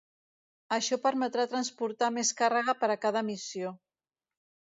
Això permetrà transportar més càrrega per a cada missió.